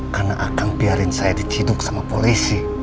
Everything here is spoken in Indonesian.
karena akang biarin saya diciduk sama polisi